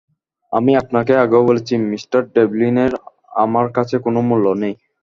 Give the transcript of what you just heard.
আমি আপনাকে আগেও বলেছি, মিঃ ডেভলিনের আমার কাছে কোন মূল্য নেই।